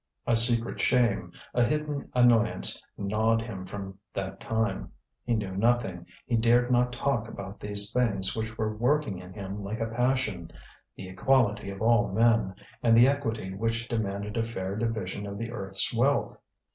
A secret shame, a hidden annoyance, gnawed him from that time; he knew nothing, he dared not talk about these things which were working in him like a passion the equality of all men, and the equity which demanded a fair division of the earth's wealth.